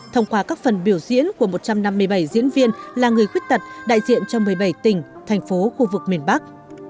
thông qua các phần biểu diễn của một trăm năm mươi bảy diễn viên là người khuyết tật đại diện cho một mươi bảy tỉnh thành phố khu vực miền bắc